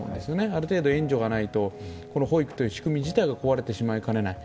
ある程度援助がないと保育という仕組み自体が壊れてしまいかねない